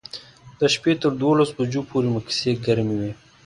د شپې تر دولس بجو پورې مو کیسې ګرمې وې.